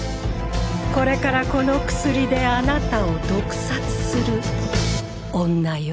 これからこの薬であなたを毒殺する女よ